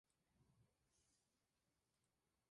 Una cabeza de lobo de plata sobre un campo de gules.